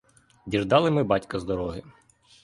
Діждали ми батька з дороги.